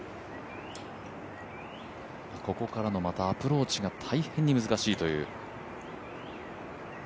ここからのまたアプローチが大変に難しいという。